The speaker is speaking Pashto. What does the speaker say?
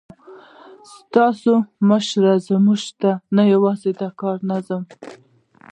ستا مشري موږ ته نه یوازې د کار نظم،